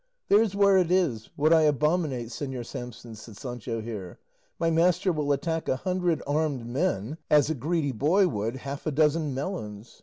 "There's where it is, what I abominate, Señor Samson," said Sancho here; "my master will attack a hundred armed men as a greedy boy would half a dozen melons.